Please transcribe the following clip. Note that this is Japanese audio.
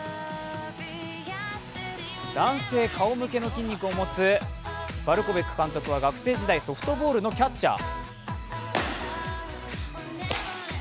男性顔負けの筋肉を持つバルコベック監督は学生時代ソフトボールのキャッチャー。